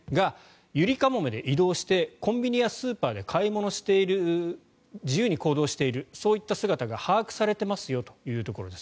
ゆりかもめで移動してコンビニやスーパーで買い物している自由に行動しているそういった姿が把握されていますよということです。